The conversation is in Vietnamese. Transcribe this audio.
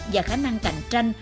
và khả năng cạnh tranh